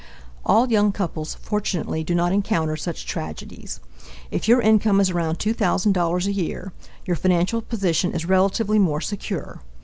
All young couples, fortunately, do not encounter such tragedies. If your income is around $2000 a year, your financial position is relatively more secure.